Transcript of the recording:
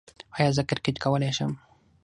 ایا زه کرکټ کولی شم؟